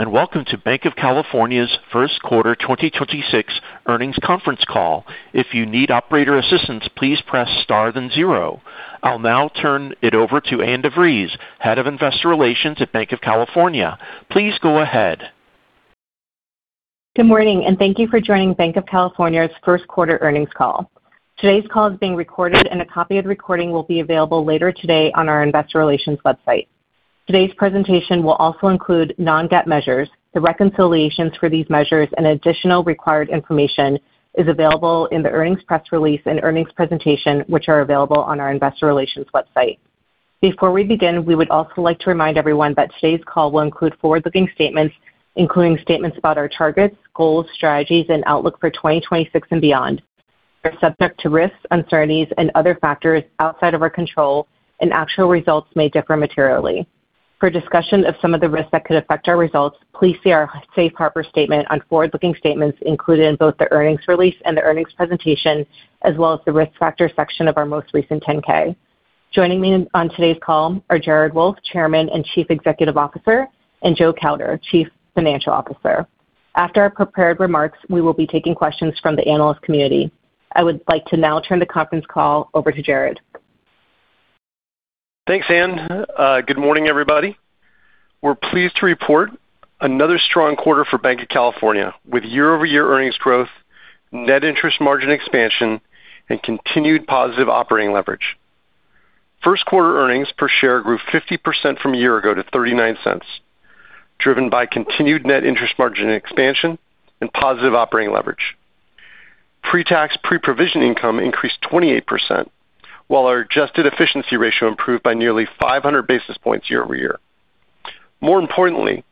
Hello, and welcome to Banc of California's first quarter 2026 earnings conference call. I'll now turn it over to Ann DeVries, Head of Investor Relations at Banc of California. Please go ahead. Good morning, and thank you for joining Banc of California's first quarter earnings call. Today's call is being recorded, and a copy of the recording will be available later today on our investor relations website. Today's presentation will also include non-GAAP measures. The reconciliations for these measures and additional required information is available in the earnings press release and earnings presentation, which are available on our investor relations website. Before we begin, we would also like to remind everyone that today's call will include forward-looking statements, including statements about our targets, goals, strategies, and outlook for 2026 and beyond. They're subject to risks, uncertainties, and other factors outside of our control, and actual results may differ materially. For a discussion of some of the risks that could affect our results, please see our safe harbor statement on forward-looking statements included in both the earnings release and the earnings presentation, as well as the risk factor section of our most recent 10-K. Joining me on today's call are Jared Wolff, Chairman and Chief Executive Officer, and Joe Kauder, Chief Financial Officer. After our prepared remarks, we will be taking questions from the analyst community. I would like to now turn the conference call over to Jared. Thanks, Ann. Good morning, everybody. We're pleased to report another strong quarter for Banc of California, with year-over-year earnings growth, net interest margin expansion, and continued positive operating leverage. First quarter earnings per share grew 50% from a year ago to $0.39, driven by continued net interest margin expansion and positive operating leverage. Pre-tax, pre-provision income increased 28%, while our adjusted efficiency ratio improved by nearly 500 basis points year-over-year. More importantly,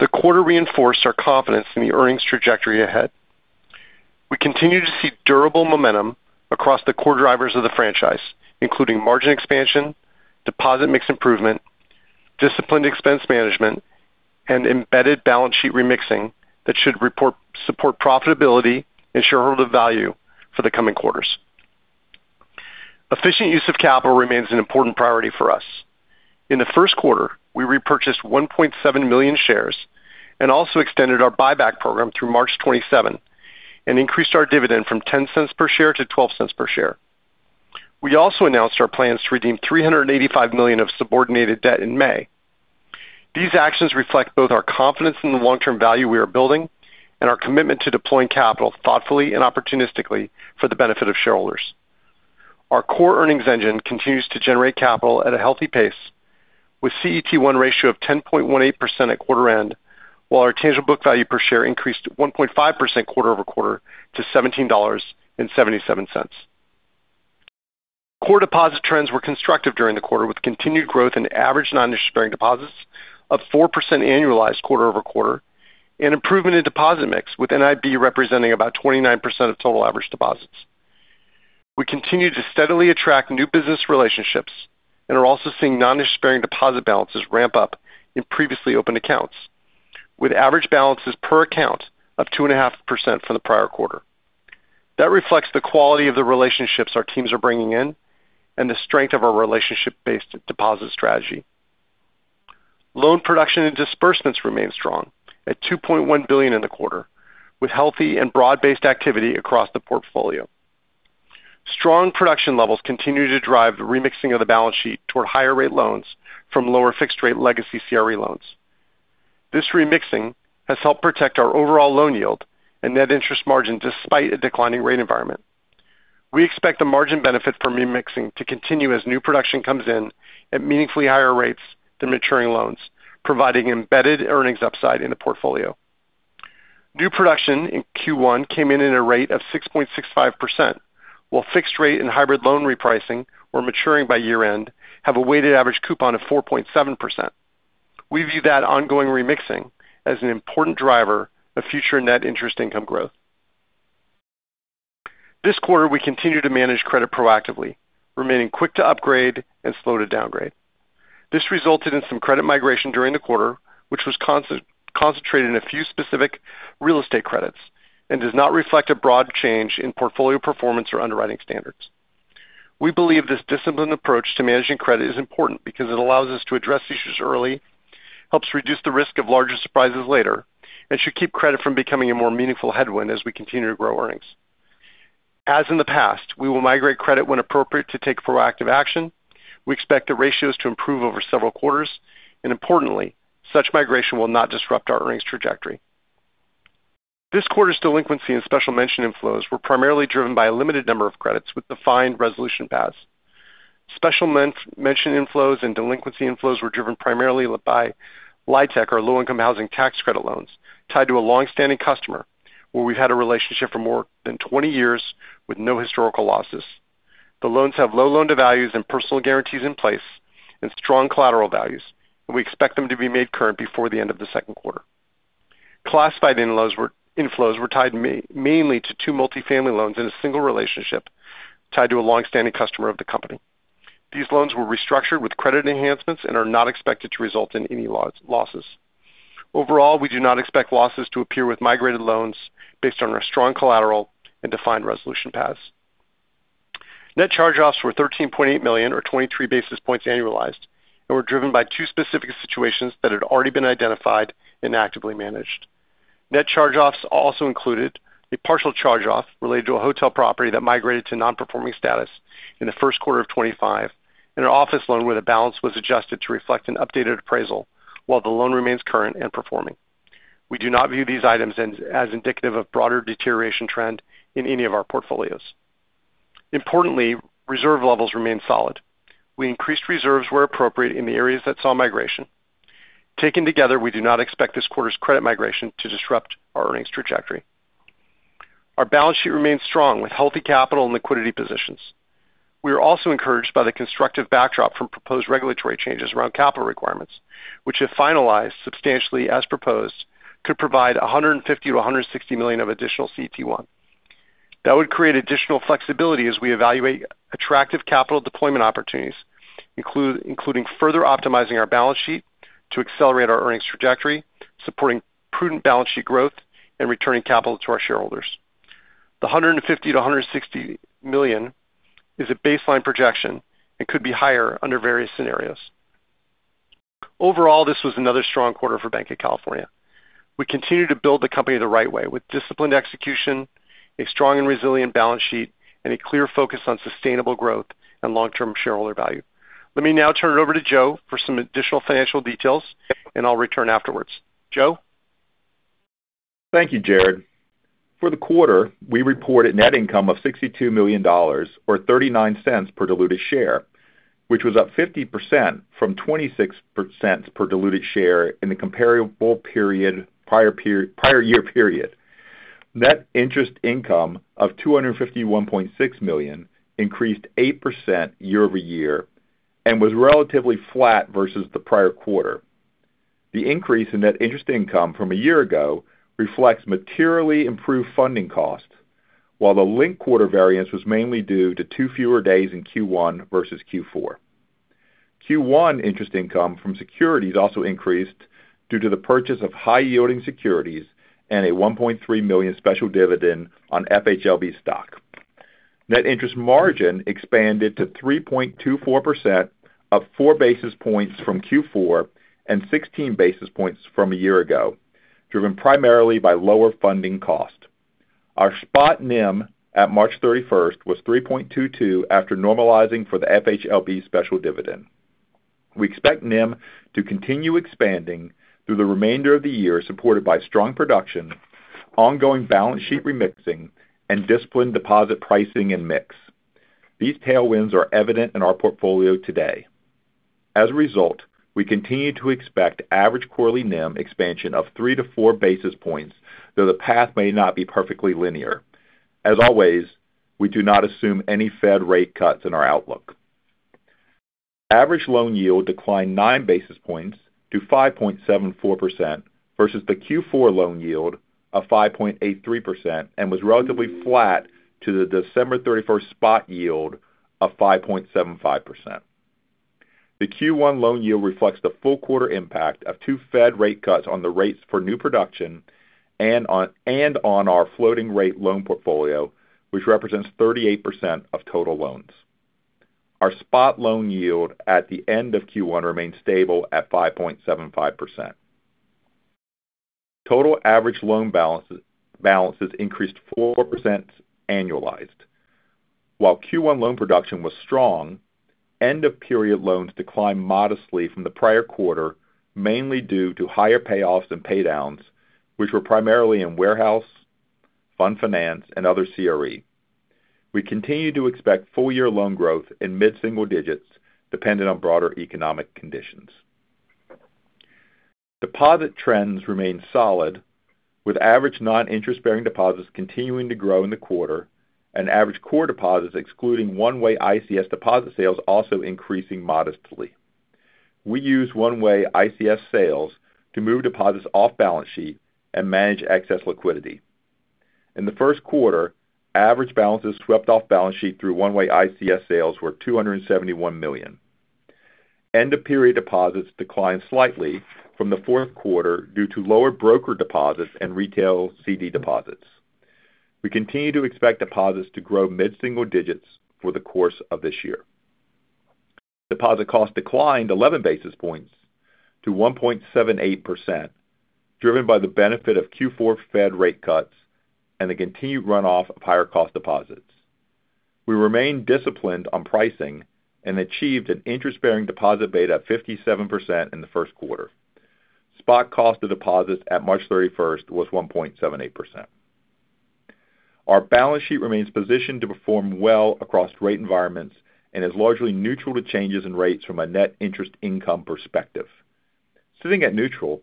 the quarter reinforced our confidence in the earnings trajectory ahead. We continue to see durable momentum across the core drivers of the franchise, including margin expansion, deposit mix improvement, disciplined expense management, and embedded balance sheet remixing that should support profitability and shareholder value for the coming quarters. Efficient use of capital remains an important priority for us. In the first quarter, we repurchased 1.7 million shares and also extended our buyback program through March 27 and increased our dividend from $0.10 per share to $0.12 per share. We also announced our plans to redeem $385 million of subordinated debt in May. These actions reflect both our confidence in the long-term value we are building and our commitment to deploying capital thoughtfully and opportunistically for the benefit of shareholders. Our core earnings engine continues to generate capital at a healthy pace, with CET1 ratio of 10.18% at quarter end, while our tangible book value per share increased 1.5% quarter-over-quarter to $17.77. Core deposit trends were constructive during the quarter, with continued growth in average non-interest-bearing deposits of 4% annualized quarter-over-quarter and improvement in deposit mix, with NIB representing about 29% of total average deposits. We continue to steadily attract new business relationships and are also seeing non-interest-bearing deposit balances ramp up in previously opened accounts, with average balances per account of 2.5% for the prior quarter. That reflects the quality of the relationships our teams are bringing in and the strength of our relationship-based deposit strategy. Loan production and disbursements remain strong at $2.1 billion in the quarter, with healthy and broad-based activity across the portfolio. Strong production levels continue to drive the remixing of the balance sheet toward higher rate loans from lower fixed rate legacy CRE loans. This remixing has helped protect our overall loan yield and net interest margin despite a declining rate environment. We expect the margin benefit from remixing to continue as new production comes in at meaningfully higher rates than maturing loans, providing embedded earnings upside in the portfolio. New production in Q1 came in at a rate of 6.65%, while fixed rate and hybrid loan repricing were maturing by year-end have a weighted average coupon of 4.7%. We view that ongoing repricing as an important driver of future net interest income growth. This quarter, we continue to manage credit proactively, remaining quick to upgrade and slow to downgrade. This resulted in some credit migration during the quarter, which was concentrated in a few specific real estate credits and does not reflect a broad change in portfolio performance or underwriting standards. We believe this disciplined approach to managing credit is important because it allows us to address issues early, helps reduce the risk of larger surprises later, and should keep credit from becoming a more meaningful headwind as we continue to grow earnings. As in the past, we will migrate credit when appropriate to take proactive action. We expect the ratios to improve over several quarters, and importantly, such migration will not disrupt our earnings trajectory. This quarter's delinquency and special mention inflows were primarily driven by a limited number of credits with defined resolution paths. Special mention inflows and delinquency inflows were driven primarily by LIHTC or low-income housing tax credit loans tied to a long-standing customer where we've had a relationship for more than 20 years with no historical losses. The loans have low loan to values and personal guarantees in place and strong collateral values, and we expect them to be made current before the end of the second quarter. Classified inflows were tied mainly to two multifamily loans in a single relationship tied to a long-standing customer of the company. These loans were restructured with credit enhancements and are not expected to result in any losses. Overall, we do not expect losses to appear with migrated loans based on our strong collateral and defined resolution paths. Net charge-offs were $13.8 million or 23 basis points annualized and were driven by two specific situations that had already been identified and actively managed. Net charge-offs also included a partial charge-off related to a hotel property that migrated to non-performing status in the first quarter of 2025, and an office loan where the balance was adjusted to reflect an updated appraisal while the loan remains current and performing. We do not view these items as indicative of broader deterioration trend in any of our portfolios. Importantly, reserve levels remain solid. We increased reserves where appropriate in the areas that saw migration. Taken together, we do not expect this quarter's credit migration to disrupt our earnings trajectory. Our balance sheet remains strong with healthy capital and liquidity positions. We are also encouraged by the constructive backdrop from proposed regulatory changes around capital requirements, which, if finalized substantially as proposed, could provide $150 million-$160 million of additional CET1. That would create additional flexibility as we evaluate attractive capital deployment opportunities, including further optimizing our balance sheet to accelerate our earnings trajectory, supporting prudent balance sheet growth, and returning capital to our shareholders. The $150 million-$160 million is a baseline projection and could be higher under various scenarios. Overall, this was another strong quarter for Banc of California. We continue to build the company the right way with disciplined execution, a strong and resilient balance sheet, and a clear focus on sustainable growth and long-term shareholder value. Let me now turn it over to Joe for some additional financial details, and I'll return afterwards. Joe? Thank you, Jared. For the quarter, we reported net income of $62 million or $0.39 per diluted share, which was up 50% from $0.26 per diluted share in the comparable period, prior year period. Net interest income of $251.6 million increased 8% year-over-year and was relatively flat versus the prior quarter. The increase in net interest income from a year ago reflects materially improved funding costs, while the linked quarter variance was mainly due to two fewer days in Q1 versus Q4. Q1 interest income from securities also increased due to the purchase of high-yielding securities and a $1.3 million special dividend on FHLB stock. Net interest margin expanded to 3.24%, up four basis points from Q4 and 16 basis points from a year ago, driven primarily by lower funding cost. Our spot NIM at March 31st was 3.22% after normalizing for the FHLB special dividend. We expect NIM to continue expanding through the remainder of the year, supported by strong production, ongoing balance sheet remixing, and disciplined deposit pricing and mix. These tailwinds are evident in our portfolio today. As a result, we continue to expect average quarterly NIM expansion of three to four basis points, though the path may not be perfectly linear. As always, we do not assume any Fed rate cuts in our outlook. Average loan yield declined nine basis points to 5.74% versus the Q4 loan yield of 5.83%, and was relatively flat to the December 31st spot yield of 5.75%. The Q1 loan yield reflects the full quarter impact of two Fed rate cuts on the rates for new production and on our floating rate loan portfolio, which represents 38% of total loans. Our spot loan yield at the end of Q1 remained stable at 5.75%. Total average loan balances increased 4% annualized. While Q1 loan production was strong, end-of-period loans declined modestly from the prior quarter, mainly due to higher payoffs and pay downs, which were primarily in warehouse, fund finance, and other CRE. We continue to expect full-year loan growth in mid-single digits, dependent on broader economic conditions. Deposit trends remained solid, with average non-interest-bearing deposits continuing to grow in the quarter and average core deposits excluding one-way ICS deposit sales also increasing modestly. We use one-way ICS sales to move deposits off balance sheet and manage excess liquidity. In the first quarter, average balances swept off balance sheet through one-way ICS sales were $271 million. End-of-period deposits declined slightly from the fourth quarter due to lower broker deposits and retail CD deposits. We continue to expect deposits to grow mid-single digits for the course of this year. Deposit cost declined 11 basis points to 1.78%, driven by the benefit of Q4 Fed rate cuts and the continued runoff of higher cost deposits. We remain disciplined on pricing and achieved an interest-bearing deposit beta of 57% in the first quarter. Spot cost of deposits at March 31st was 1.78%. Our balance sheet remains positioned to perform well across rate environments and is largely neutral to changes in rates from a net interest income perspective. Sitting at neutral,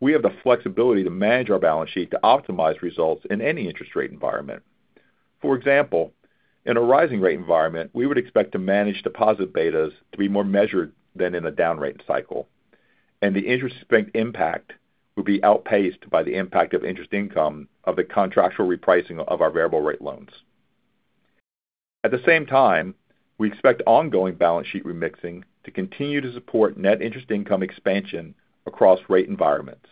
we have the flexibility to manage our balance sheet to optimize results in any interest rate environment. For example, in a rising rate environment, we would expect to manage deposit betas to be more measured than in a down rate cycle, and the interest spent impact will be outpaced by the impact of interest income of the contractual repricing of our variable rate loans. At the same time, we expect ongoing balance sheet remixing to continue to support net interest income expansion across rate environments.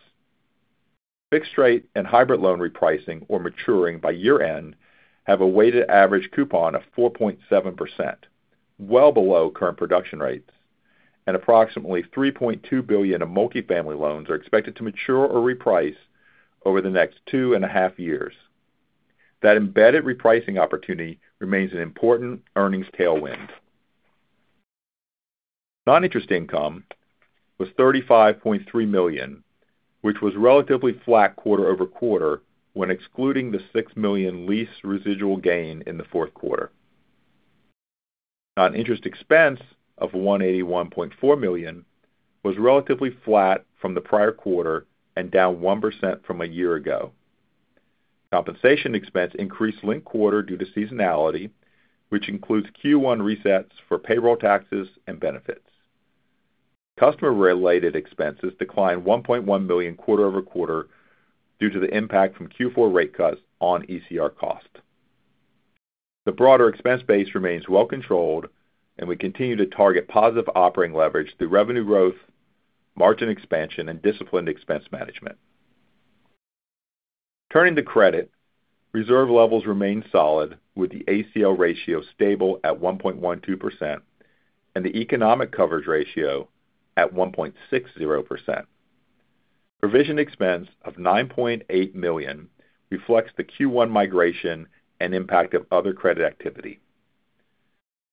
Fixed-rate and hybrid loan repricing or maturing by year-end have a weighted average coupon of 4.7%, well below current production rates, and approximately $3.2 billion of multifamily loans are expected to mature or reprice over the next two and a half years. That embedded repricing opportunity remains an important earnings tailwind. Non-interest income was $35.3 million, which was relatively flat quarter-over-quarter when excluding the $6 million lease residual gain in the fourth quarter. Non-interest expense of $181.4 million was relatively flat from the prior quarter and down 1% from a year ago. Compensation expense increased linked-quarter due to seasonality, which includes Q1 resets for payroll taxes and benefits. Customer-related expenses declined $1.1 million quarter-over-quarter due to the impact from Q4 rate cuts on ECR cost. The broader expense base remains well controlled, and we continue to target positive operating leverage through revenue growth, margin expansion, and disciplined expense management. Turning to credit. Reserve levels remain solid, with the ACL ratio stable at 1.12% and the economic coverage ratio at 1.60%. Provision expense of $9.8 million reflects the Q1 migration and impact of other credit activity.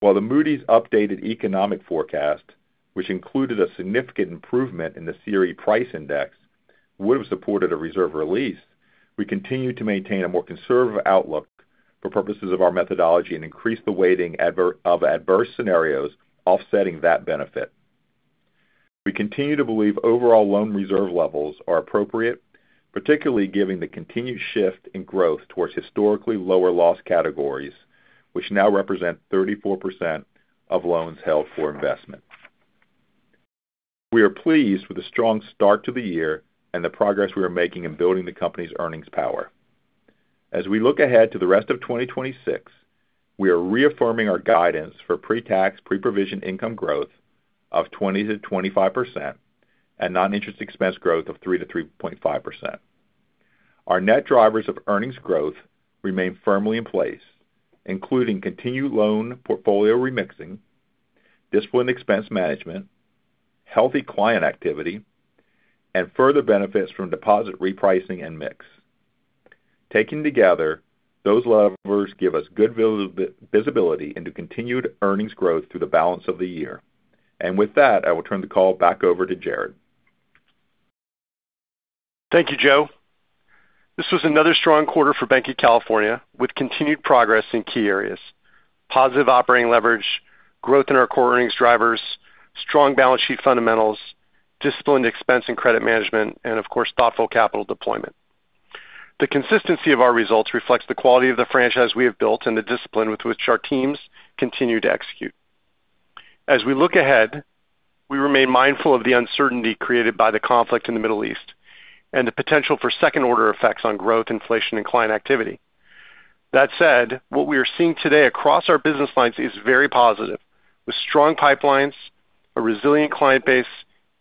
While the Moody's updated economic forecast, which included a significant improvement in the CRE price index, would've supported a reserve release, we continue to maintain a more conservative outlook for purposes of our methodology and increase the weighting of adverse scenarios offsetting that benefit. We continue to believe overall loan reserve levels are appropriate, particularly given the continued shift in growth towards historically lower-loss categories, which now represent 34% of loans held for investment. We are pleased with the strong start to the year and the progress we are making in building the company's earnings power. As we look ahead to the rest of 2026, we are reaffirming our guidance for pre-tax, pre-provision income growth of 20%-25% and non-interest expense growth of 3%-3.5%. Our net drivers of earnings growth remain firmly in place, including continued loan portfolio remixing, disciplined expense management, healthy client activity, and further benefits from deposit repricing and mix. Taken together, those levers give us good visibility into continued earnings growth through the balance of the year. With that, I will turn the call back over to Jared. Thank you, Joe. This was another strong quarter for Banc of California, with continued progress in key areas, positive operating leverage, growth in our core earnings drivers, strong balance sheet fundamentals, disciplined expense and credit management, and of course, thoughtful capital deployment. The consistency of our results reflects the quality of the franchise we have built and the discipline with which our teams continue to execute. As we look ahead, we remain mindful of the uncertainty created by the conflict in the Middle East and the potential for second-order effects on growth, inflation, and client activity. That said, what we are seeing today across our business lines is very positive, with strong pipelines, a resilient client base,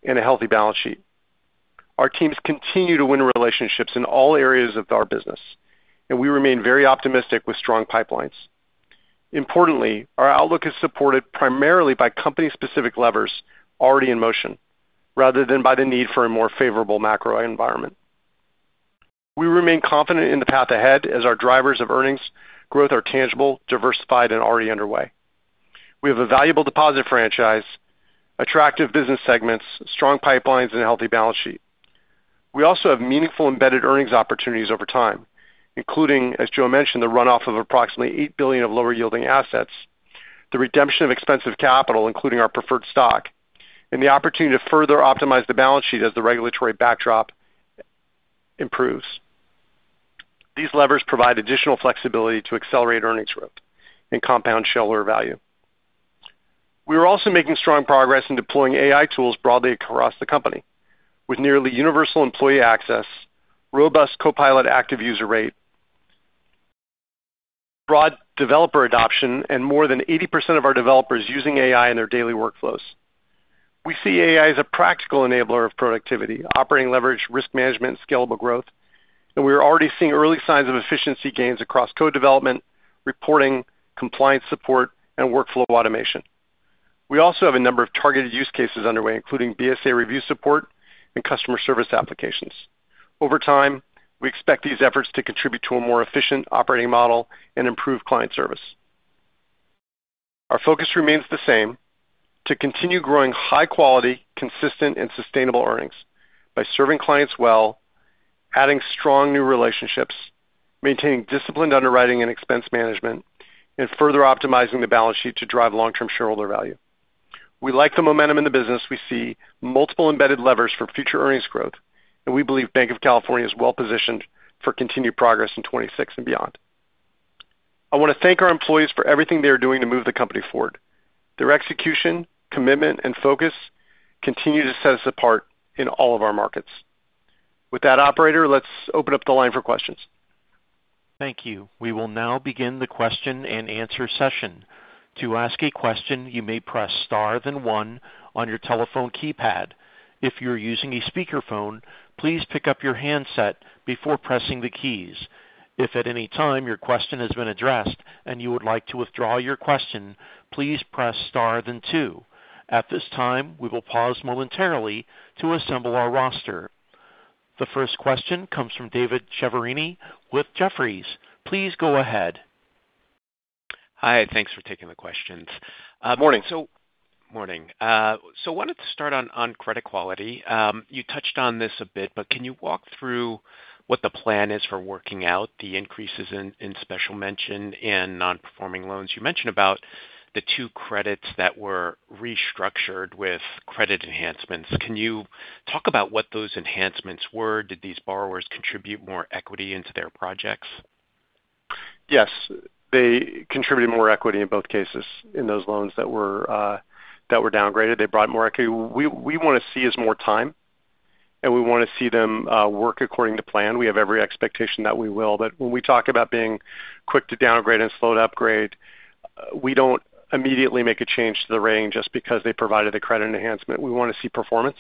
and a healthy balance sheet. Our teams continue to win relationships in all areas of our business, and we remain very optimistic with strong pipelines. Importantly, our outlook is supported primarily by company-specific levers already in motion, rather than by the need for a more favorable macro environment. We remain confident in the path ahead as our drivers of earnings growth are tangible, diversified, and already underway. We have a valuable deposit franchise, attractive business segments, strong pipelines, and a healthy balance sheet. We also have meaningful embedded earnings opportunities over time, including, as Joe mentioned, the runoff of approximately $8 billion of lower-yielding assets, the redemption of expensive capital, including our preferred stock, and the opportunity to further optimize the balance sheet as the regulatory backdrop improves. These levers provide additional flexibility to accelerate earnings growth and compound shareholder value. We are also making strong progress in deploying AI tools broadly across the company, with nearly universal employee access, robust Copilot active user rate, broad developer adoption, and more than 80% of our developers using AI in their daily workflows. We see AI as a practical enabler of productivity, operating leverage, risk management, scalable growth, and we are already seeing early signs of efficiency gains across code development, reporting, compliance support, and workflow automation. We also have a number of targeted use cases underway, including BSA review support and customer service applications. Over time, we expect these efforts to contribute to a more efficient operating model and improve client service. Our focus remains the same, to continue growing high quality, consistent, and sustainable earnings by serving clients well, adding strong new relationships, maintaining disciplined underwriting and expense management, and further optimizing the balance sheet to drive long-term shareholder value. We like the momentum in the business. We see multiple embedded levers for future earnings growth, and we believe Banc of California is well positioned for continued progress in 2026 and beyond. I want to thank our employees for everything they are doing to move the company forward. Their execution, commitment, and focus continue to set us apart in all of our markets. With that, operator, let's open up the line for questions. Thank you. We will now begin the question and answer session. To ask a question, you may press star then one on your telephone keypad. If you're using a speakerphone, please pick up your handset before pressing the keys. If at any time your question has been addressed and you would like to withdraw your question, please press star then two. At this time, we will pause momentarily to assemble our roster. The first question comes from David Chiaverini with Jefferies. Please go ahead. Hi, thanks for taking the questions. Morning. Morning. Wanted to start on credit quality. You touched on this a bit, but can you walk through what the plan is for working out the increases in special mention and non-performing loans? You mentioned about the two credits that were restructured with credit enhancements. Can you talk about what those enhancements were? Did these borrowers contribute more equity into their projects? Yes. They contributed more equity in both cases, in those loans that were downgraded. They brought more equity. What we want to see is more time, and we want to see them work according to plan. We have every expectation that we will. When we talk about being quick to downgrade and slow to upgrade, we don't immediately make a change to the rating just because they provided a credit enhancement. We want to see performance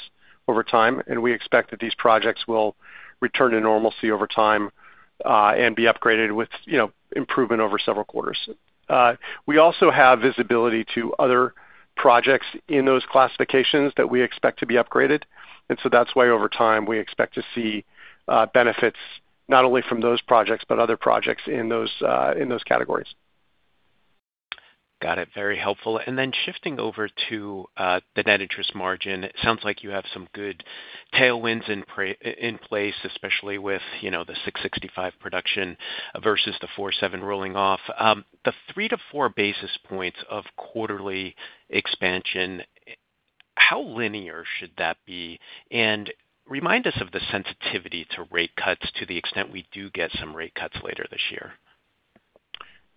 over time, and we expect that these projects will return to normalcy over time, and be upgraded with improvement over several quarters. We also have visibility to other projects in those classifications that we expect to be upgraded, and so that's why over time, we expect to see benefits not only from those projects, but other projects in those categories. Got it. Very helpful. Shifting over to the net interest margin. It sounds like you have some good tailwinds in place, especially with the 665 production versus the 47 rolling off. The three to four basis points of quarterly expansion, how linear should that be? Remind us of the sensitivity to rate cuts to the extent we do get some rate cuts later this year.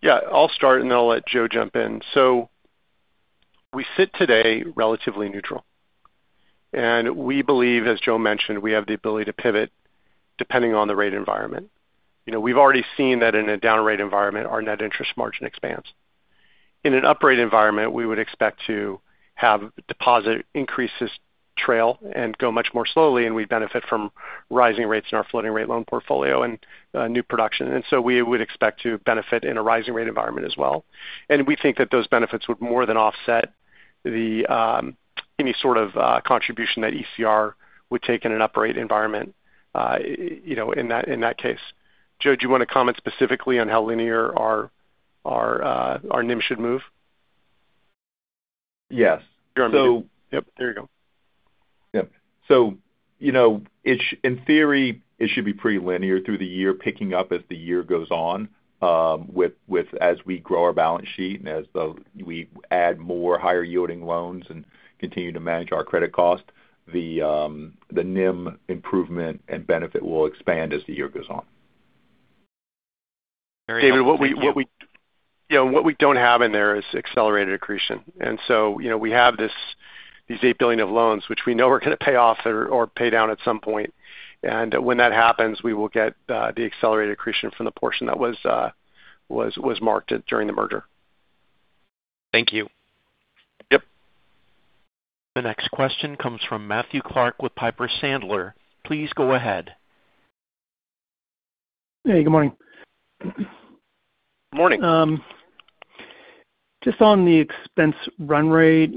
Yeah. I'll start and then I'll let Joe jump in. We sit today relatively neutral, and we believe, as Joe mentioned, we have the ability to pivot depending on the rate environment. We've already seen that in a down rate environment, our net interest margin expands. In an up rate environment, we would expect to have deposit increases trail and go much more slowly, and we'd benefit from rising rates in our floating rate loan portfolio and new production. We would expect to benefit in a rising rate environment as well. We think that those benefits would more than offset any sort of contribution that ECR would take in an up rate environment in that case. Joe, do you want to comment specifically on how linear our NIM should move? Yes. There you go. Yep. In theory, it should be pretty linear through the year, picking up as the year goes on, as we grow our balance sheet and as we add more higher yielding loans and continue to manage our credit cost. The NIM improvement and benefit will expand as the year goes on. Very helpful. Thank you. David, what we don't have in there is accelerated accretion. We have these $8 billion of loans, which we know are going to pay off or pay down at some point. When that happens, we will get the accelerated accretion from the portion that was marked during the merger. Thank you. Yep. The next question comes from Matthew Clark with Piper Sandler. Please go ahead. Hey, good morning. Morning. Just on the expense run rate.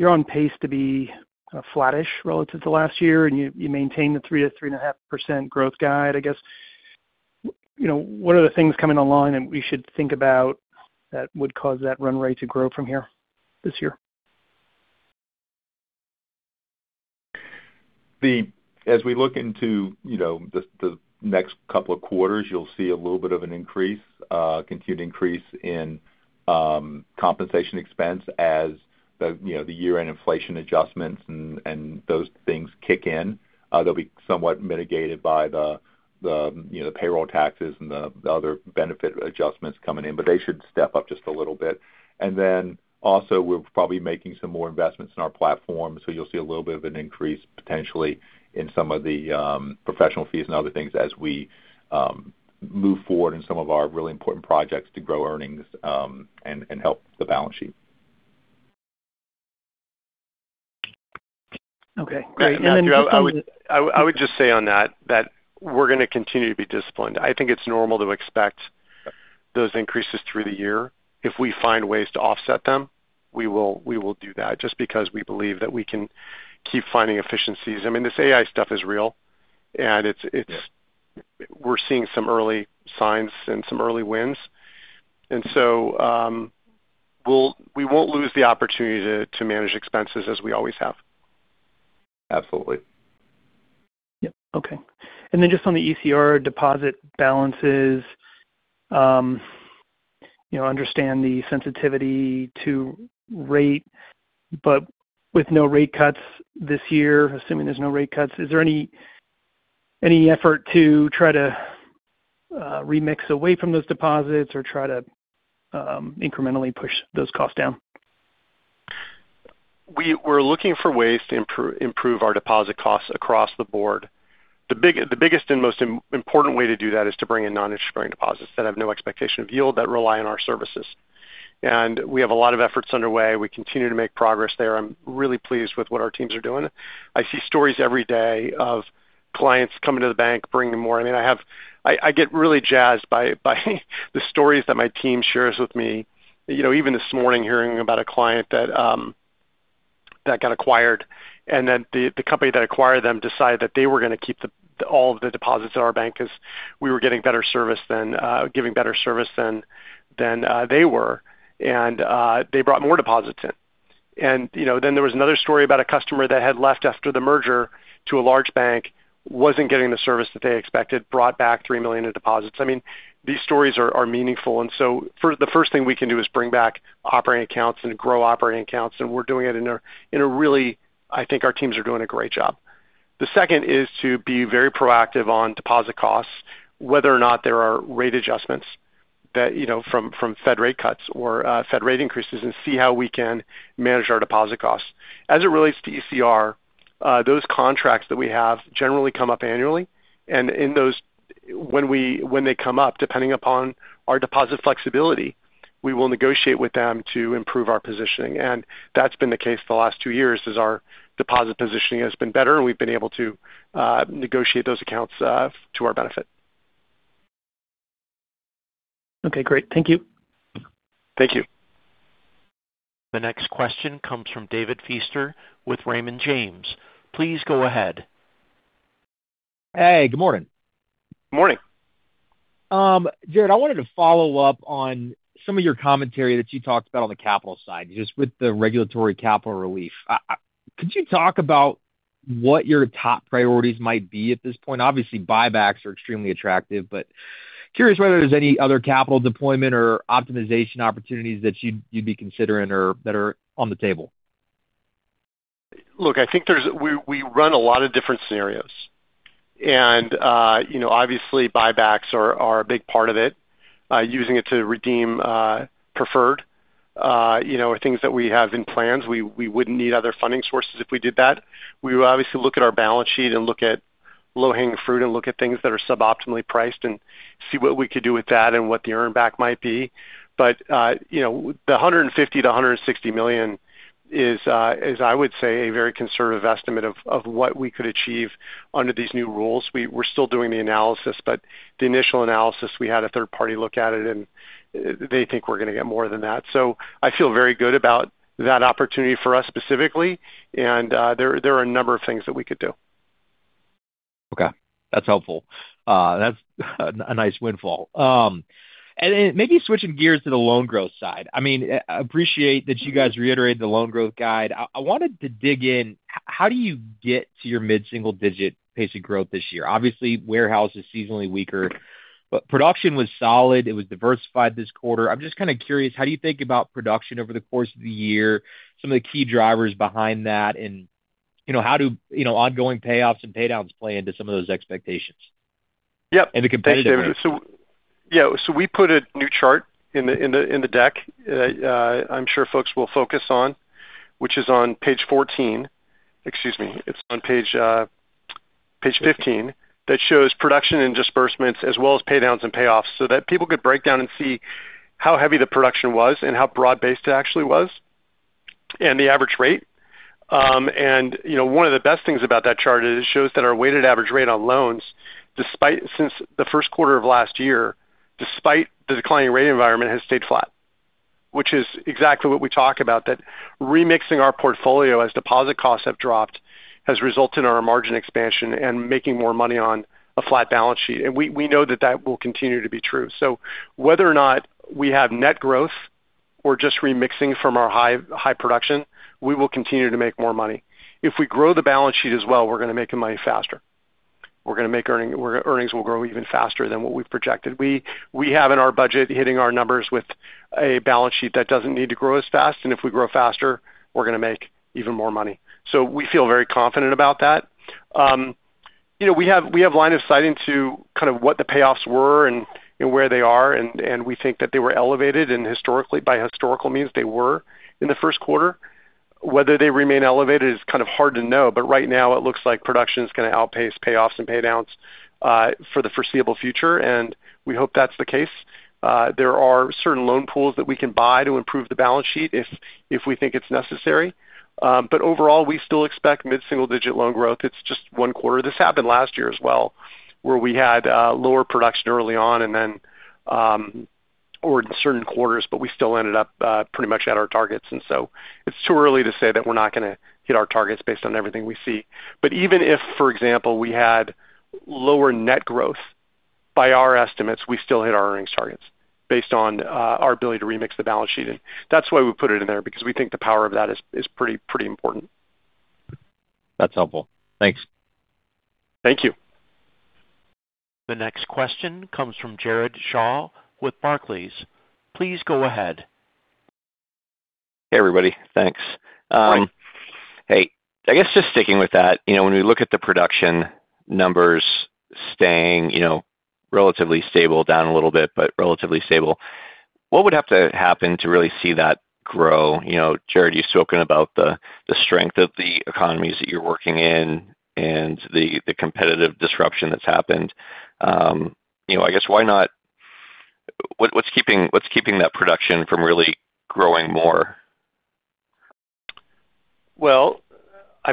You're on pace to be flattish relative to last year, and you maintain the 3%-3.5% growth guide, I guess. What are the things coming online that we should think about that would cause that run rate to grow from here this year? As we look into the next couple of quarters, you'll see a little bit of an increase, continued increase in compensation expense as the year-end inflation adjustments and those things kick in. They'll be somewhat mitigated by the payroll taxes and the other benefit adjustments coming in, but they should step up just a little bit. Then also, we're probably making some more investments in our platform. You'll see a little bit of an increase potentially in some of the professional fees and other things as we move forward in some of our really important projects to grow earnings and help the balance sheet. Okay, great. Just on the I would just say on that, we're going to continue to be disciplined. I think it's normal to expect those increases through the year. If we find ways to offset them, we will do that just because we believe that we can keep finding efficiencies. I mean, this AI stuff is real. Yeah. We're seeing some early signs and some early wins. We won't lose the opportunity to manage expenses as we always have. Absolutely. Yep. Okay. Just on the ECR deposit balances, understand the sensitivity to rate, but with no rate cuts this year, assuming there's no rate cuts, is there any effort to try to remix away from those deposits or try to incrementally push those costs down? We're looking for ways to improve our deposit costs across the board. The biggest and most important way to do that is to bring in non-interest-bearing depositsdeposits that have no expectation of yield, that rely on our services. We have a lot of efforts underway. We continue to make progress there. I'm really pleased with what our teams are doing. I see stories every day of clients coming to the bank, bringing more in. I get really jazzed by the stories that my team shares with me. Even this morning, hearing about a client that got acquired, and then the company that acquired them decided that they were going to keep all of the deposits at our bank because we were giving better service than they were. They brought more deposits in. Then there was another story about a customer that had left after the merger to a large bank, wasn't getting the service that they expected, brought back $3 million in deposits. These stories are meaningful. The first thing we can do is bring back operating accounts and grow operating accounts, and we're doing it in a really, I think our teams are doing a great job. The second is to be very proactive on deposit costs, whether or not there are rate adjustments from Fed rate cuts or Fed rate increases, and see how we can manage our deposit costs. As it relates to ECR, those contracts that we have generally come up annually. In those, when they come up, depending upon our deposit flexibility, we will negotiate with them to improve our positioning. That's been the case for the last two years, as our deposit positioning has been better, and we've been able to negotiate those accounts to our benefit. Okay, great. Thank you. Thank you. The next question comes from David Feaster with Raymond James. Please go ahead. Hey, good morning. Good morning. Jared, I wanted to follow up on some of your commentary that you talked about on the capital side, just with the regulatory capital relief. Could you talk about what your top priorities might be at this point? Obviously, buybacks are extremely attractive, but curious whether there's any other capital deployment or optimization opportunities that you'd be considering or that are on the table. Look, I think we run a lot of different scenarios. Obviously buybacks are a big part of it. Using it to redeem preferred are things that we have in plans. We wouldn't need other funding sources if we did that. We would obviously look at our balance sheet and look at low-hanging fruit and look at things that are sub-optimally priced and see what we could do with that and what the earn back might be. The $150 million-$160 million is, I would say, a very conservative estimate of what we could achieve under these new rules. We're still doing the analysis, but the initial analysis, we had a third party look at it, and they think we're going to get more than that. I feel very good about that opportunity for us specifically. There are a number of things that we could do. Okay, that's helpful. That's a nice windfall. Maybe switching gears to the loan growth side. I appreciate that you guys reiterated the loan growth guide. I wanted to dig in. How do you get to your mid-single-digit pacing growth this year? Obviously, warehouse is seasonally weaker, but production was solid. It was diversified this quarter. I'm just kind of curious, how do you think about production over the course of the year? Some of the key drivers behind that and how do ongoing payoffs and pay downs play into some of those expectations? Yep. The competitive Thanks, David. We put a new chart in the deck that I'm sure folks will focus on, which is on page 14. Excuse me, it's on page 15. That shows production and disbursements as well as pay downs and payoffs so that people could break down and see how heavy the production was and how broad-based it actually was and the average rate. One of the best things about that chart is it shows that our weighted average rate on loans, since the first quarter of last year, despite the declining rate environment, has stayed flat, which is exactly what we talk about. That remixing our portfolio as deposit costs have dropped has resulted in our margin expansion and making more money on a flat balance sheet. We know that that will continue to be true. Whether or not we have net growth or just remixing from our high production, we will continue to make more money. If we grow the balance sheet as well, we're going to make the money faster. Earnings will grow even faster than what we've projected. We have in our budget hitting our numbers with a balance sheet that doesn't need to grow as fast, and if we grow faster, we're going to make even more money. We feel very confident about that. We have line of sight into kind of what the payoffs were and where they are, and we think that they were elevated and by historical means they were in the first quarter. Whether they remain elevated is kind of hard to know. Right now it looks like production is going to outpace payoffs and pay downs for the foreseeable future, and we hope that's the case. There are certain loan pools that we can buy to improve the balance sheet if we think it's necessary. Overall, we still expect mid-single-digit loan growth. It's just one quarter. This happened last year as well, where we had lower production early on or in certain quarters, but we still ended up pretty much at our targets. It's too early to say that we're not going to hit our targets based on everything we see. Even if, for example, we had lower net growth, by our estimates, we still hit our earnings targets based on our ability to remix the balance sheet. That's why we put it in there, because we think the power of that is pretty important. That's helpful. Thanks. Thank you. The next question comes from Jared Shaw with Barclays. Please go ahead. Hey, everybody. Thanks. Morning. Hey, I guess just sticking with that. When we look at the production numbers staying relatively stable, down a little bit, but relatively stable, what would have to happen to really see that grow? Jared, you've spoken about the strength of the economies that you're working in and the competitive disruption that's happened. What's keeping that production from really growing more? Well, I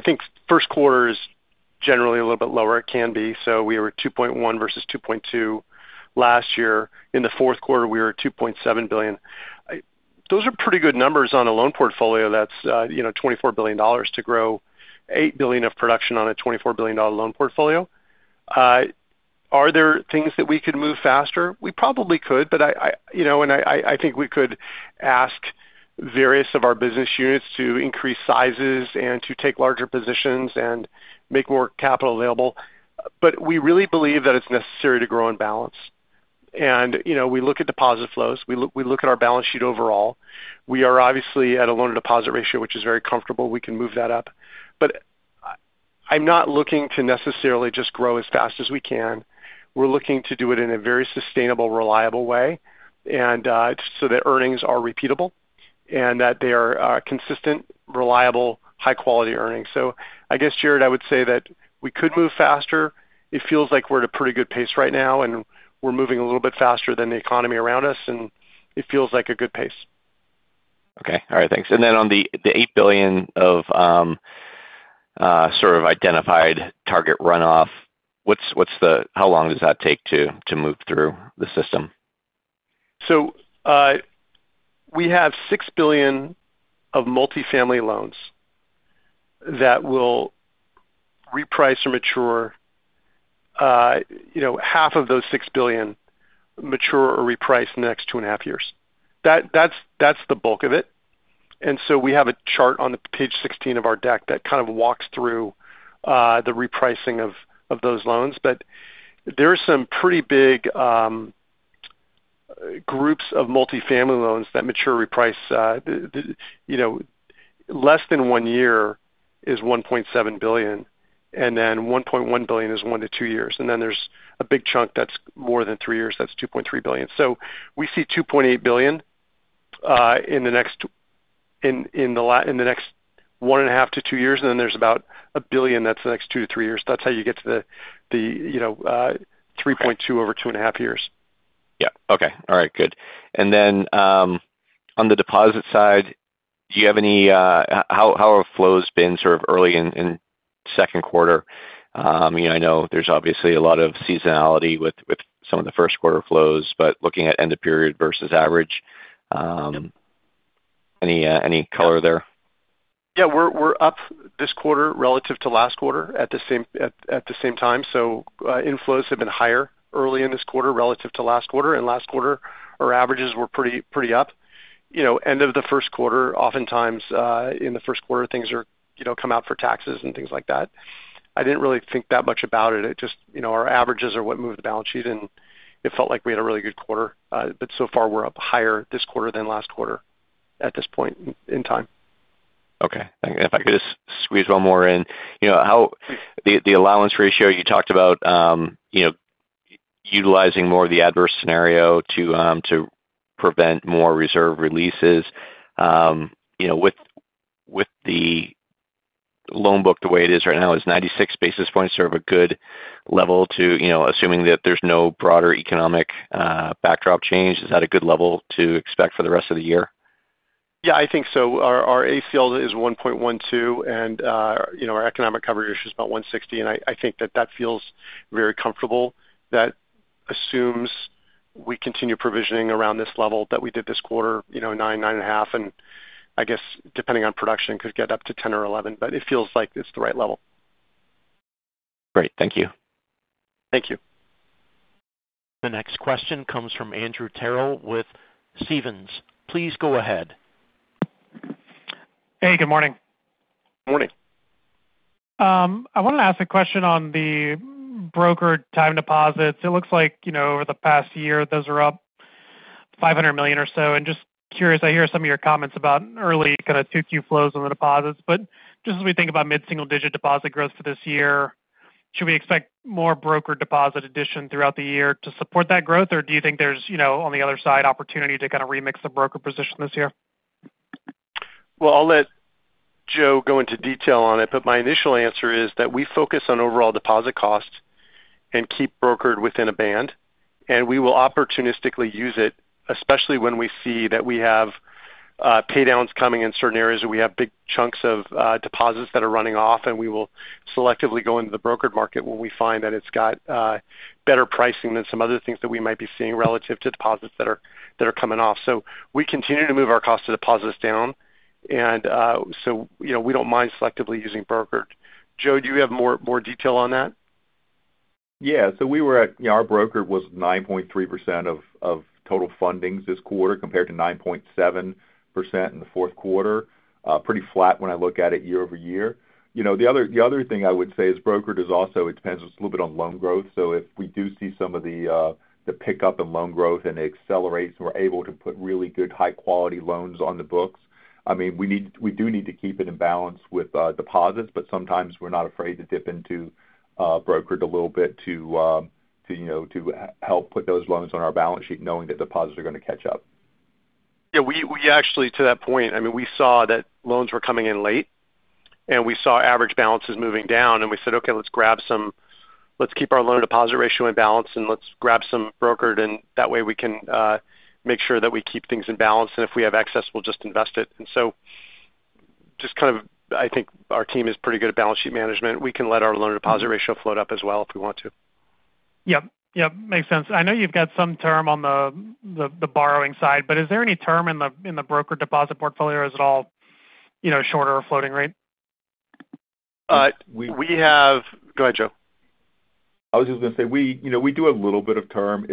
think first quarter is generally a little bit lower. It can be. We were at 2.1 versus 2.2 last year. In the fourth quarter, we were at $2.7 billion. Those are pretty good numbers on a loan portfolio that's $24 billion, to grow $8 billion of production on a $24 billion loan portfolio. Are there things that we could move faster? We probably could, and I think we could ask various of our business units to increase sizes and to take larger positions and make more capital available. We really believe that it's necessary to grow and balance. We look at deposit flows. We look at our balance sheet overall. We are obviously at a loan-to-deposit ratio which is very comfortable. We can move that up. I'm not looking to necessarily just grow as fast as we can. We're looking to do it in a very sustainable, reliable way, and so that earnings are repeatable and that they are consistent, reliable, high-quality earnings. I guess, Jared, I would say that we could move faster. It feels like we're at a pretty good pace right now, and we're moving a little bit faster than the economy around us, and it feels like a good pace. Okay. All right, thanks. On the $8 billion of identified target runoff, how long does that take to move through the system? We have $6 billion of multifamily loans that will reprice or mature. Half of those $6 billion mature or reprice in the next two and a half years. That's the bulk of it. We have a chart on page 16 of our deck that kind of walks through the repricing of those loans. There are some pretty big groups of multifamily loans that mature or reprice. Less than one year is $1.7 billion, and then $1.1 billion is one to two years. There's a big chunk that's more than three years, that's $2.3 billion. We see $2.8 billion in the next one and a half to two years. There's about a billion that's the next two to three years. That's how you get to the 3.2 over two and a half years. Yeah. Okay. All right, good. On the deposit side, how have flows been sort of early in second quarter? I know there's obviously a lot of seasonality with some of the first quarter flows, but looking at end of period versus average. Any color there? Yeah. We're up this quarter relative to last quarter at the same time. Inflows have been higher early in this quarter relative to last quarter, and last quarter, our averages were pretty up. End of the first quarter, oftentimes, in the first quarter, things come out for taxes and things like that. I didn't really think that much about it. It's just our averages are what move the balance sheet, and it felt like we had a really good quarter. So far we're up higher this quarter than last quarter at this point in time. Okay. If I could just squeeze one more in. The allowance ratio, you talked about utilizing more of the adverse scenario to prevent more reserve releases. With the loan book the way it is right now, is 96 basis points sort of a good level, assuming that there's no broader economic backdrop change? Is that a good level to expect for the rest of the year? Yeah, I think so. Our ACL is 1.12, and our economic coverage ratio is about 160, and I think that that feels very comfortable. That assumes we continue provisioning around this level that we did this quarter nine, 9.5, and I guess depending on production, could get up to 10 or 11. It feels like it's the right level. Great. Thank you. Thank you. The next question comes from Andrew Terrell with Stephens. Please go ahead. Hey, good morning. Morning. I want to ask a question on the broker time deposits. It looks like over the past year, those are up $500 million or so. Just curious, I hear some of your comments about early kind of 2Q flows on the deposits. Just as we think about mid-single digit deposit growth for this year, should we expect more broker deposit addition throughout the year to support that growth? Or do you think there's, on the other side, opportunity to kind of remix the broker position this year? Well, I'll let Joe go into detail on it, but my initial answer is that we focus on overall deposit costs and keep brokered within a band, and we will opportunistically use it, especially when we see that we have pay-downs coming in certain areas where we have big chunks of deposits that are running off, and we will selectively go into the brokered market when we find that it's got better pricing than some other things that we might be seeing relative to deposits that are coming off. We continue to move our cost of deposits down. We don't mind selectively using brokered. Joe, do you have more detail on that? Yeah. Our brokered was 9.3% of total fundings this quarter, compared to 9.7% in the fourth quarter. Pretty flat when I look at it year-over-year. The other thing I would say is brokered also depends a little bit on loan growth. If we do see some of the pickup in loan growth and it accelerates and we're able to put really good high-quality loans on the books, we do need to keep it in balance with deposits, but sometimes we're not afraid to dip into brokered a little bit to help put those loans on our balance sheet, knowing that deposits are going to catch up. Yeah. We actually, to that point, we saw that loans were coming in late, and we saw average balances moving down, and we said, "Okay, let's keep our loan deposit ratio in balance and let's grab some brokered, and that way we can make sure that we keep things in balance, and if we have access, we'll just invest it." Just kind of, I think our team is pretty good at balance sheet management. We can let our loan deposit ratio float up as well if we want to. Yep. Makes sense. I know you've got some term on the borrowing side, but is there any term in the brokered deposit portfolio? Is it all shorter or floating rate? Go ahead, Joe. I was just going to say, we do have a little bit of term.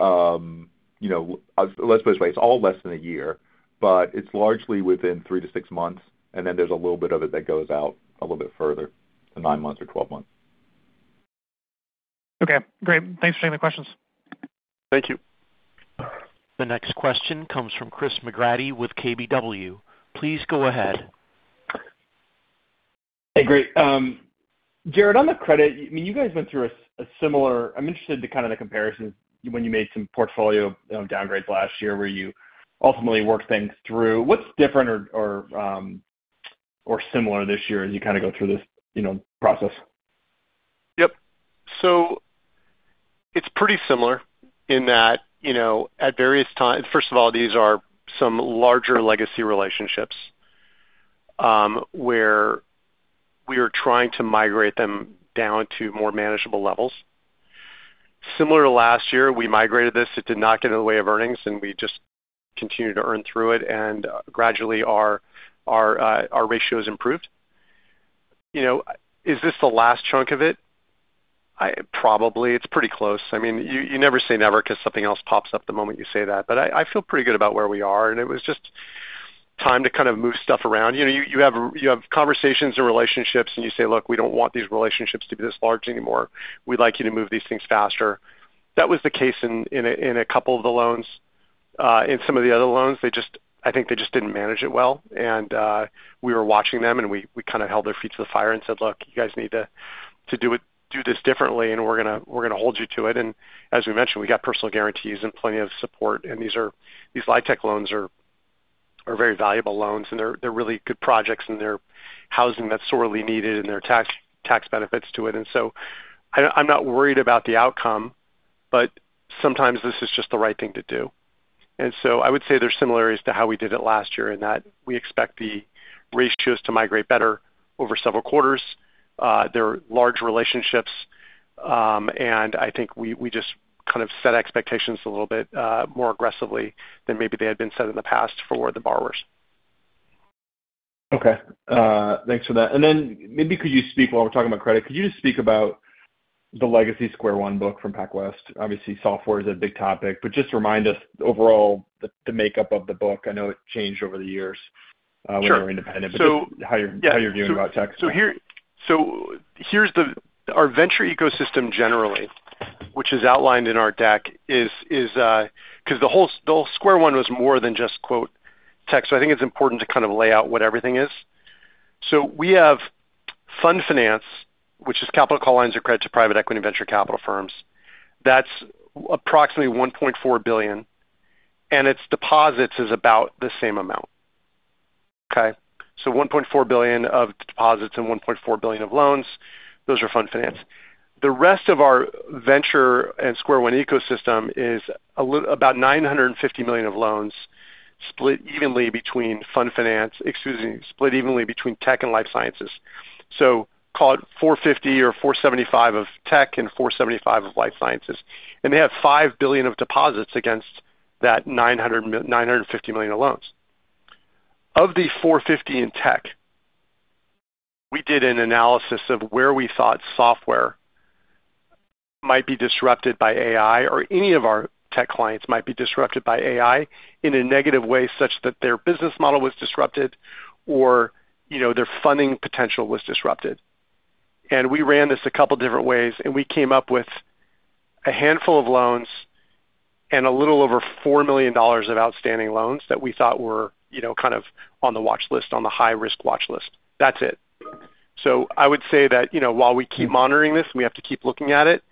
Let's put it this way, it's all less than a year, but it's largely within three to six months, and then there's a little bit of it that goes out a little bit further to nine months or 12 months. Okay, great. Thanks for taking the questions. Thank you. The next question comes from Christopher McGratty with KBW. Please go ahead. Hey, great. Jared, on the credit, you guys went through a similar, I'm interested in kind of the comparison when you made some portfolio downgrades last year where you ultimately worked things through. What's different or similar this year as you kind of go through this process? Yep. It's pretty similar in that at various times, first of all, these are some larger legacy relationships, where we are trying to migrate them down to more manageable levels. Similar to last year, we migrated this, it did not get in the way of earnings, and we just continued to earn through it, and gradually our ratios improved. Is this the last chunk of it? Probably. It's pretty close. You never say never because something else pops up the moment you say that. I feel pretty good about where we are, and it was just time to kind of move stuff around. You have conversations and relationships, and you say, "Look, we don't want these relationships to be this large anymore. We'd like you to move these things faster." That was the case in a couple of the loans. In some of the other loans, I think they just didn't manage it well. We were watching them, and we kind of held their feet to the fire and said, "Look, you guys need to do this differently, and we're going to hold you to it." As we mentioned, we got personal guarantees and plenty of support. These LIHTC loans are very valuable loans, and they're really good projects, and they're housing that's sorely needed, and there are tax benefits to it. I'm not worried about the outcome, but sometimes this is just the right thing to do. I would say there's similarities to how we did it last year in that we expect the ratios to migrate better over several quarters. They're large relationships. I think we just kind of set expectations a little bit more aggressively than maybe they had been set in the past for the borrowers. Okay. Thanks for that. Maybe, while we're talking about credit, could you just speak about the legacy Square One book from PacWest? Obviously, software is a big topic, but just remind us overall the makeup of the book. I know it changed over the years. Sure when you were independent. Just how you're viewing about tech. Here's our venture ecosystem generally, which is outlined in our deck, because the whole Square One was more than just "tech." I think it's important to kind of lay out what everything is. We have fund finance, which is capital call lines of credit to private equity venture capital firms. That's approximately $1.4 billion, and its deposits is about the same amount. Okay. $1.4 billion of deposits and $1.4 billion of loans. Those are fund finance. The rest of our venture and Square One ecosystem is about $950 million of loans split evenly between tech and life sciences. Call it $450 million or $475 million of tech and $475 million of life sciences. They have $5 billion of deposits against that $950 million of loans. Of the $450 million in tech, we did an analysis of where we thought software might be disrupted by AI or any of our tech clients might be disrupted by AI in a negative way such that their business model was disrupted or their funding potential was disrupted. We ran this a couple different ways, and we came up with a handful of loans and a little over $4 million of outstanding loans that we thought were kind of on the watchlist, on the high-risk watchlist. That's it. I would say that, while we keep monitoring this, and we have to keep looking at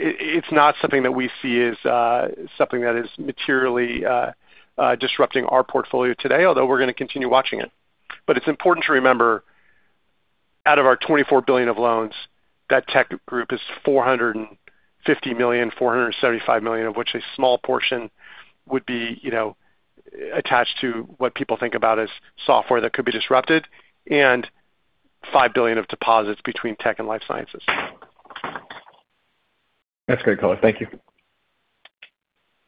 it's not something that we see as something that is materially disrupting our portfolio today, although we're going to continue watching it. It's important to remember, out of our $24 billion of loans, that tech group is $450 million-$475 million, of which a small portion would be attached to what people think about as software that could be disrupted, and $5 billion of deposits between tech and life sciences. That's great color. Thank you.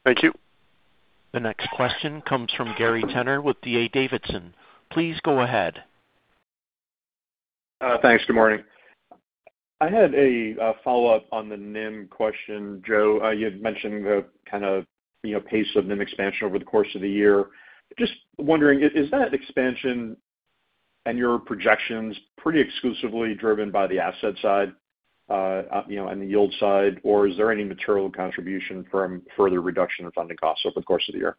Thank you. The next question comes from Gary Tenner with D.A. Davidson. Please go ahead. Thanks. Good morning. I had a follow-up on the NIM question, Joe. You had mentioned the kind of pace of NIM expansion over the course of the year. Just wondering, is that expansion and your projections pretty exclusively driven by the asset side and the yield side, or is there any material contribution from further reduction in funding costs over the course of the year?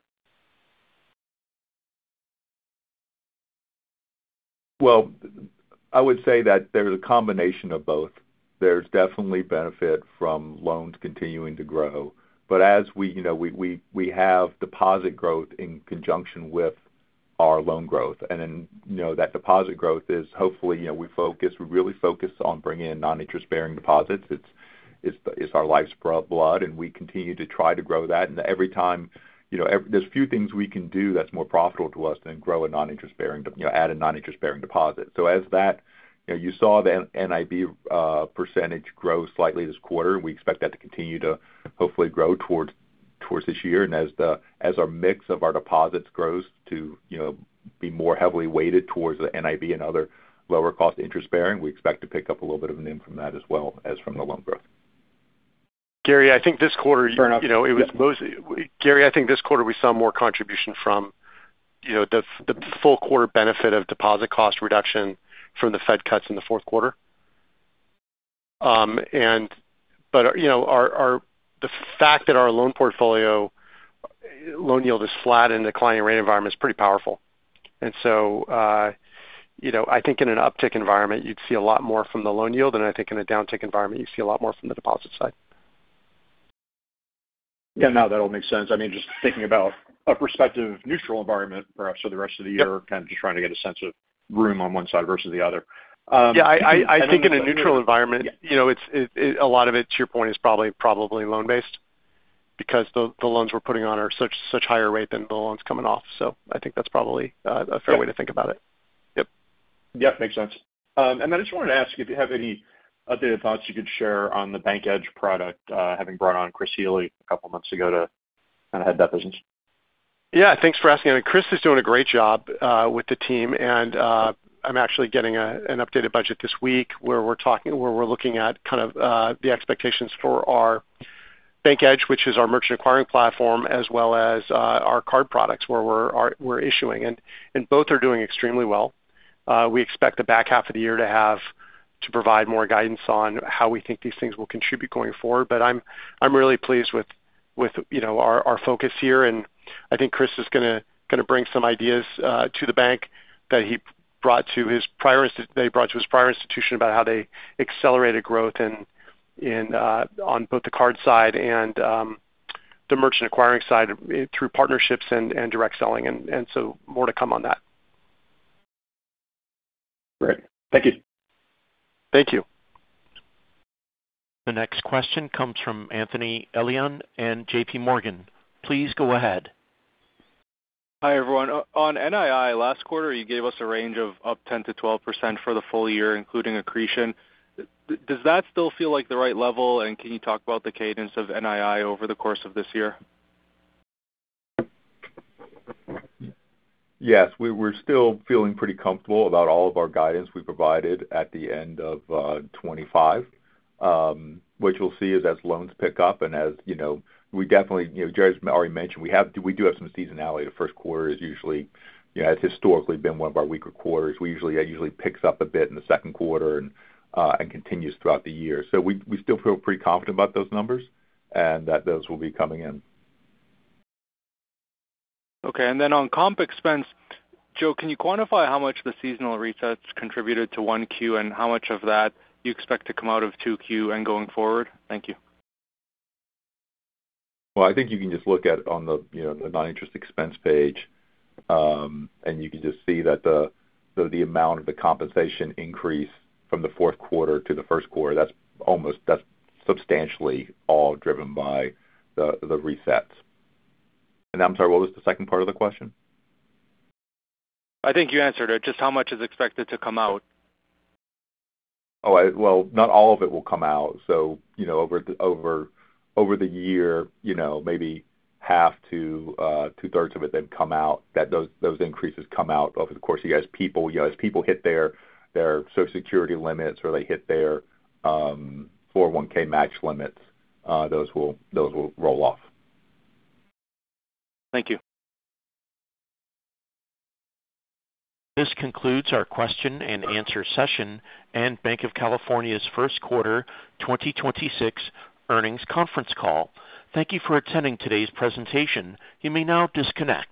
Well, I would say that there's a combination of both. There's definitely benefit from loans continuing to grow. As we have deposit growth in conjunction with our loan growth, and then that deposit growth is hopefully, we really focus on bringing in non-interest-bearing deposits. It's our life's blood, and we continue to try to grow that. Every time, there's few things we can do that's more profitable to us than add a non-interest-bearing deposit. As that, you saw the NIB percentage grow slightly this quarter, and we expect that to continue to hopefully grow towards this year. As our mix of our deposits grows to be more heavily weighted towards the NIB and other lower cost interest-bearing, we expect to pick up a little bit of NIM from that as well as from the loan growth. Gary, I think this quarter. Fair enough. Gary, I think this quarter we saw more contribution from the full quarter benefit of deposit cost reduction from the Fed cuts in the fourth quarter. The fact that our loan portfolio loan yield is flat in a declining rate environment is pretty powerful. I think in an uptick environment, you'd see a lot more from the loan yield than I think in a downtick environment, you see a lot more from the deposit side. Yeah. No, that all makes sense. I mean, just thinking about a prospective neutral environment for the rest of the year. Yep. Kind of just trying to get a sense of room on one side versus the other. Yeah. I think in a neutral environment, a lot of it, to your point, is probably loan-based because the loans we're putting on are such higher rate than the loans coming off. I think that's probably a fair way to think about it. Yep. Yep, makes sense. I just wanted to ask if you have any updated thoughts you could share on the BancEdge product, having brought on Chris Halmy a couple of months ago to kind of head that business. Yeah, thanks for asking. I mean, Chris is doing a great job with the team, and I'm actually getting an updated budget this week where we're looking at kind of the expectations for our BancEdge, which is our merchant acquiring platform, as well as our card products where we're issuing. Both are doing extremely well. We expect the back half of the year to provide more guidance on how we think these things will contribute going forward. I'm really pleased with our focus here, and I think Chris is going to bring some ideas to the bank that he brought to his prior institution about how they accelerated growth on both the card side and the merchant acquiring side through partnerships and direct selling. More to come on that. Great. Thank you. Thank you. The next question comes from Anthony Elian in JPMorgan. Please go ahead. Hi, everyone. On NII, last quarter, you gave us a range of up 10%-12% for the full year, including accretion. Does that still feel like the right level, and can you talk about the cadence of NII over the course of this year? Yes. We're still feeling pretty comfortable about all of our guidance we provided at the end of 2025. What you'll see is as loans pick up and as we definitely, as Jared's already mentioned, we do have some seasonality. The first quarter is usually, it's historically been one of our weaker quarters. It usually picks up a bit in the second quarter and continues throughout the year. We still feel pretty confident about those numbers and that those will be coming in. Okay. On comp expense, Joe, can you quantify how much the seasonal resets contributed to 1Q and how much of that you expect to come out of 2Q and going forward? Thank you. Well, I think you can just look at on the non-interest expense page, and you can just see that the amount of the compensation increase from the fourth quarter to the first quarter, that's substantially all driven by the resets. I'm sorry, what was the second part of the question? I think you answered it. Just how much is expected to come out. Oh, well, not all of it will come out. Over the year, maybe half to two-thirds of it then come out, those increases come out over the course of the year. As people hit their Social Security limits or they hit their 401(k) match limits, those will roll off. Thank you. This concludes our question and answer session and Banc of California's first quarter 2026 earnings conference call. Thank you for attending today's presentation. You may now disconnect.